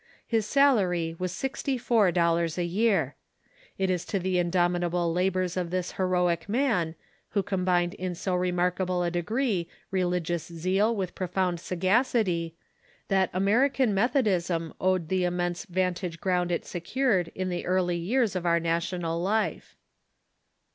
His salary was sixty four dollars a year. It is to the indomitable labors of this heroic man, Avho combined in so re markable a degree religious zeal with profound sagacity, that American Methodism owed the immense vantage ground it secured in the early years of our national life.